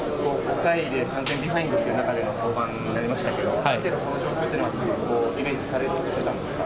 ３点ビハインドという中での登板となりましたけど、この状況っていうのはイメージされてたんですか。